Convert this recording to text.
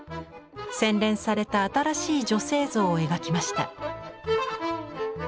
洗練された新しい女性像を描きました。